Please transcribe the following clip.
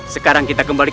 sekarang aku membawa luar